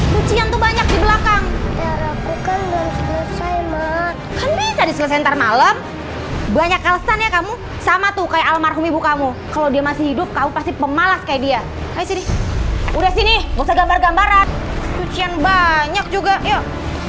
gak usah gambar gambaran cucian banyak juga yuk